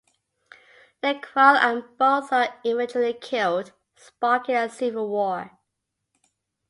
They quarrel and both are eventually killed, sparking a civil war.